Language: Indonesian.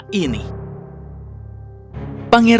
perlu klik kabel peramseron